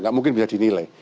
gak mungkin bisa dinilai